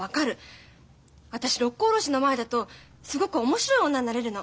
私六甲おろしの前だとすごく面白い女になれるの。